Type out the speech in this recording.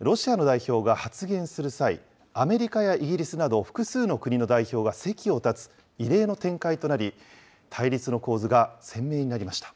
ロシアの代表が発言する際、アメリカやイギリスなど複数の国の代表が席を立つ、異例の展開となり、対立の構図が鮮明になりました。